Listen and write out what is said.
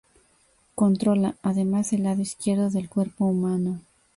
Controla, además, el lado izquierdo del cuerpo humano.